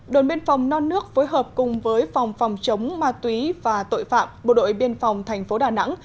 đồn biên phòng non nước phối hợp cùng với phòng phòng chống ma túy và tội phạm bộ đội biên phòng thành phố đà nẵng